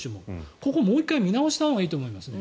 ここをもう一度見直したほうがいいと思いますね。